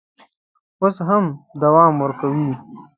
اوس هم دوام ورکوي.